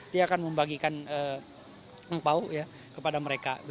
dia akan membagikan empau kepada mereka